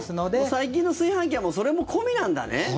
最近の炊飯器はそれも込みなんだね。